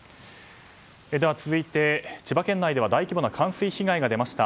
続いて、千葉県内では大規模な冠水被害が出ました。